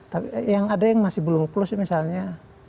tapi yang ada yang masih belum plus misalnya